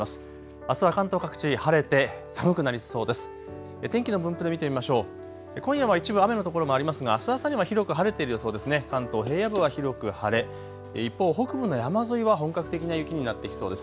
あすは関東各地、晴れて寒くなりそうです。